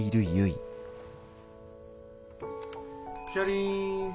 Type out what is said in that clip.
・・チャリン。